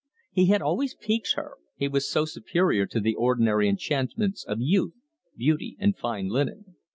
He had always piqued her, he was so superior to the ordinary enchantments of youth, beauty, and fine linen.